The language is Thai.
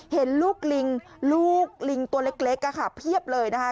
เห็นลูกลิงลูกลิงตัวเล็กเพียบเลยนะคะ